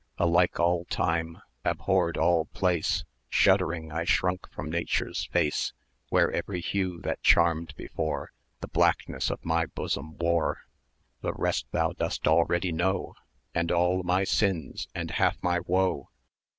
Alike all time, abhorred all place,[en] Shuddering I shrank from Nature's face, Where every hue that charmed before The blackness of my bosom wore. The rest thou dost already know, 1200 And all my sins, and half my woe.